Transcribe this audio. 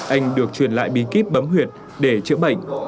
anh được truyền lại bí kíp bấm huyệt để chữa bệnh